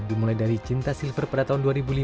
dimulai dari cinta silver pada tahun dua ribu lima